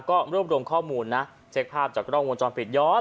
ก็รวบรวมข้อมูลนะเช็คภาพจากกล้องวงจรปิดย้อน